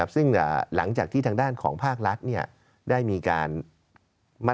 แต่ว่ามันก็ต้องเรียนว่าข้าวเนี่ยยังไม่ได้ออก